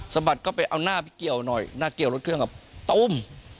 บัดก็ไปเอาหน้าไปเกี่ยวหน่อยหน้าเกี่ยวรถเครื่องกับตุ้ม